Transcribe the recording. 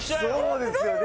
そうですよね。